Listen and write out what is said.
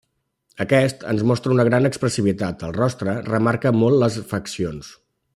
Aquest ens mostra una gran expressivitat, el rostre remarca molt les faccions.